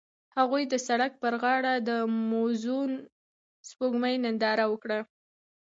هغوی د سړک پر غاړه د موزون سپوږمۍ ننداره وکړه.